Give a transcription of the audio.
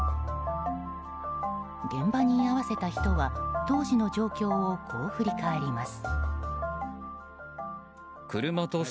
現場に居合わせた人は当時の状況をこう振り返ります。